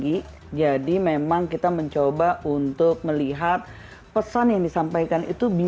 iya sebenarnya yang jadi masalah adalah film horror ini